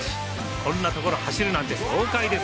こんなところを走るなんて爽快です。